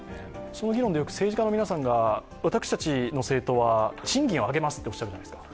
その議論で政治家の皆さんが、私たちの政党は賃金を上げますとおっしゃるじゃないですか。